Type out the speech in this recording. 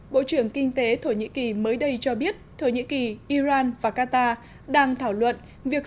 bộ trưởng kinh tế thổ nhĩ kỳ mới đây cho biết thổ nhĩ kỳ iran và qatar đang thảo luận việc